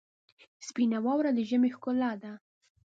سپینه واوره د ژمي ښکلا ده.